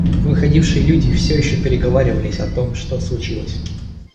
Выходившие люди всё еще переговаривались о том, что случилось.